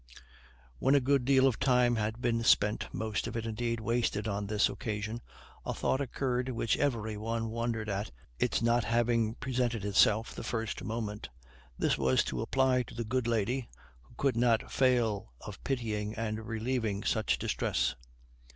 When a good deal of time had been spent, most of it indeed wasted on this occasion, a thought occurred which every one wondered at its not having presented itself the first moment. This was to apply to the good lady, who could not fail of pitying and relieving such distress.